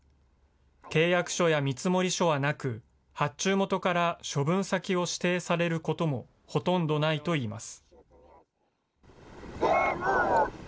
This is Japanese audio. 契約書や見積書はなく、発注元から処分先を指定されることもほとんどないといいます。